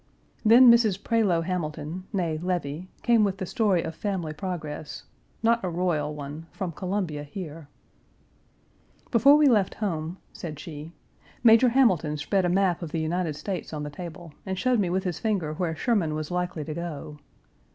Then Mrs. Prioleau Hamilton, née Levy, came with the story of family progress, not a royal one, from Columbia here: "Before we left home," said she, "Major Hamilton spread a map of the United States on the table, and showed me with his finger where Sherman was likely to go.